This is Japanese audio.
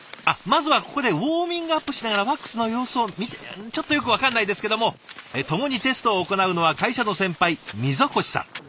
あっまずはここでウォーミングアップしながらワックスの様子を見てちょっとよく分からないですけども共にテストを行うのは会社の先輩溝越さん。